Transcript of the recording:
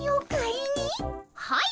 はい。